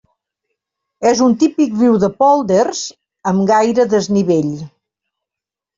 És un típic riu de pòlders amb gaire desnivell.